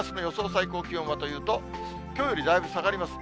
最高気温はというと、きょうよりだいぶ下がります。